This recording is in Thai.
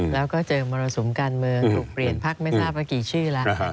แล้วก็เจอมรสุมการเมืองถูกเปลี่ยนพักไม่ทราบว่ากี่ชื่อแล้ว